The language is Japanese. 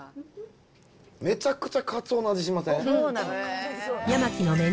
めちゃくちゃかつおの味しません？